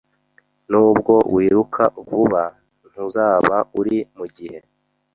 Nubwo wiruka vuba, ntuzaba uri mugihe.